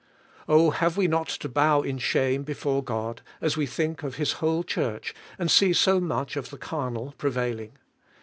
Oh, have we not to bow in shame before God, as we think of His whole Church and see so much of the carnal prevailing?